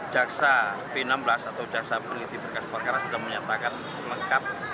jaksa p enam belas atau jaksa peneliti berkas perkara sudah menyatakan lengkap